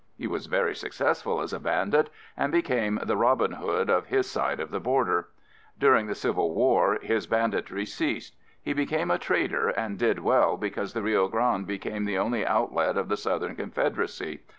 He was very successful as a bandit and became the "Robin Hood" of his side of the border. During the Civil War his banditry ceased. He became a trader and did well because the Rio Grande became the only outlet of the Southern Confederacy.